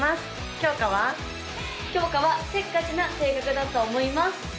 きょうかはせっかちな性格だと思います